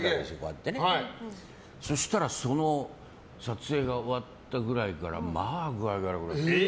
そしたらその撮影が終わったくらいからまあ具合が悪くなって。